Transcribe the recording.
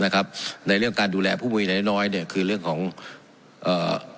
นะครับในเรื่องการดูแลผู้มือในน้อยน้อยเนี่ยคือเรื่องของเอ่อ